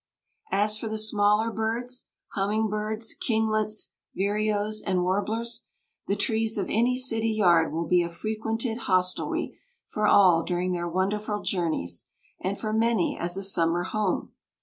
As for the smaller birds, humming birds, kinglets, vireos, and warblers, the trees of any city yard will be a frequented hostelry for all during their wonderful journeys, and for many as a summer home.